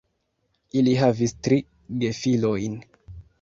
Ili havis tri gefilojn.